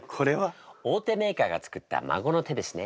大手メーカーが作った孫の手ですね。